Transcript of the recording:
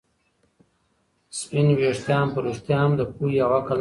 سپین ویښتان په رښتیا هم د پوهې او عقل نښه ده.